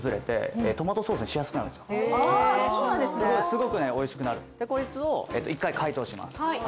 すごくねおいしくなるでこいつを一回解凍します